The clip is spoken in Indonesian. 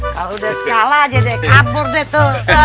kalau udah skala aja deh kabur deh tuh